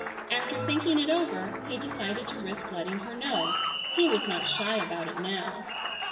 After thinking it over he decided to risk letting her know. He was not shy about it now.